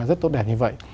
rất tốt đẹp như vậy